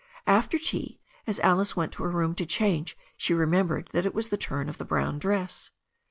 After tea, as Alice went to her room to change, she re membered that it was the turn of the brown dress.